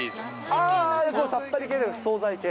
ああ、さっぱり系、総菜系。